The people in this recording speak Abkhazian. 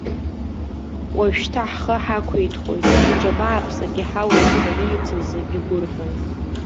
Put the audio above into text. Уажәшьҭа ҳхы ҳақәиҭхоит, ҳџьабааԥсагьы ҳауеит ҳәа еицыз зегь гәырӷьон.